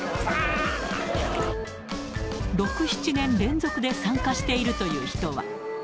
６、７年連続で参加しているという人は。